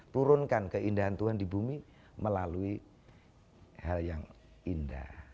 turunkan keindahan tuhan di bumi melalui hal yang indah